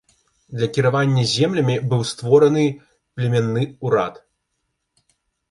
Для кіравання землямі быў створаны племянны ўрад.